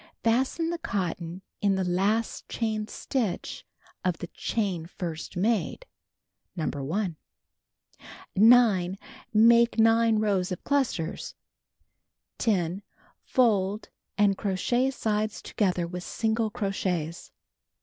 Fasten the cotton in the last chain stitch of the chain first made. (See No. 1.) 9. Make 9 rows of clusters. 10. Fold, and crochet sides together with single crochets.